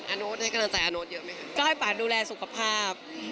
อาโน้ตอย่างนั้นใส่อาโน้ตเยอะไหมคะ